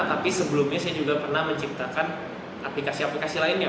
tapi sebelumnya saya juga pernah menciptakan aplikasi aplikasi lainnya